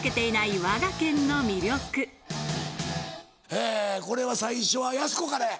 えこれは最初はやす子からや。